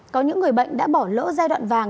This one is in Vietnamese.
có những người bệnh đã bỏ lỡ giai đoạn vàng